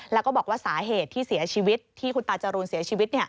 แล้วก็บอกว่าสาเหตุที่เสียชีวิตที่คุณตาจรูนเสียชีวิต